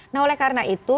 nah oleh karena itu